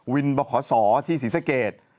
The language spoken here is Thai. วินเบาขาดสอที่ศรีสะเกด